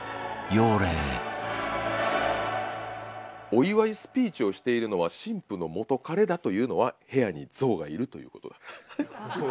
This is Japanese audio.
「お祝いスピーチをしているのは新婦の元カレだというのは『部屋に象がいる』ということだ」。